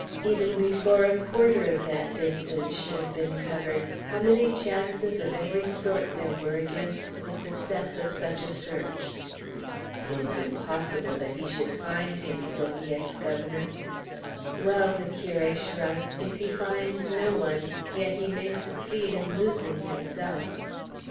Even before a quarter of that distance should have been covered, how many chances of every sort there were against the success of such a search! "It is impossible that he should find him," said the ex governor. "Well," the curé shrugged, "if he finds no one, yet he may succeed in losing himself."